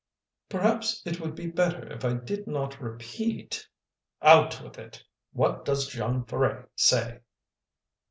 "Perhaps it would be better if I did not repeat " "Out with it! What does Jean Ferret say?"